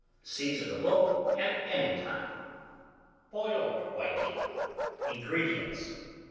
Seasonable at any time. BOILED WHITING. 343. INGREDIENTS.